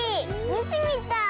みてみたい！